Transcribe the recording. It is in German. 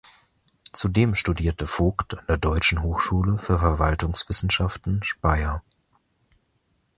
Zudem studierte Vogt an der Deutschen Hochschule für Verwaltungswissenschaften Speyer.